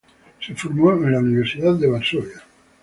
Se formó en la Universidad de Varsovia.